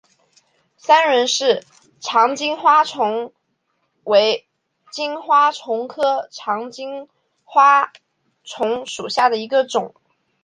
三轮氏长颈金花虫为金花虫科长颈金花虫属下的一个种。